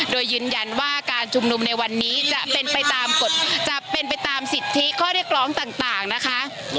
โดยยืนยันว่าการชุมนุมในวันนี้จะเป็นไปตามกฎจะเป็นไปตามสิทธิข้อเรียกร้องต่างนะคะ